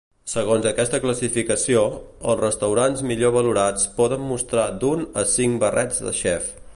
Segons aquesta classificació, els restaurants millor valorats poden mostrar d'un a cinc barrets de xef.